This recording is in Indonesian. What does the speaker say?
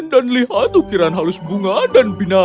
dan lihat ukiran halus bunga dan binatang